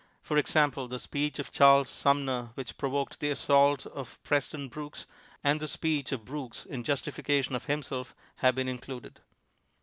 For example, the speech of Charles Sumner which provoked the assault of Preston Brooks and the speech of Brooks in justification of himself have been in cluded.